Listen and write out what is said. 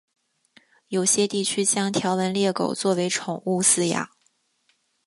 有些地区将条纹鬣狗作为宠物饲养。